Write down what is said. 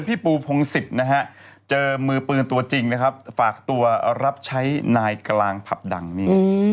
พี่ปูพงศิษย์นะฮะเจอมือปืนตัวจริงนะครับฝากตัวรับใช้นายกลางผับดังนี่